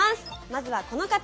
まずはこの方。